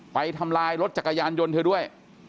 ทำลายรถจักรยานยนต์เธอด้วย